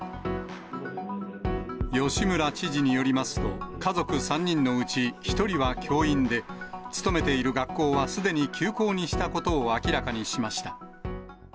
吉村知事によりますと、家族３人のうち１人は教員で、勤めている学校はすでに休校にしたことを明らかにしました。